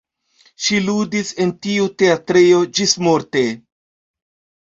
Ŝi ludis en tiu teatrejo ĝismorte.